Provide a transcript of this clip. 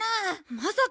まさか！